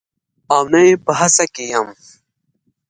او نه یې په هڅه کې یم